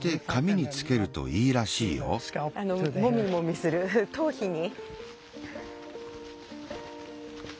もみもみする頭皮に。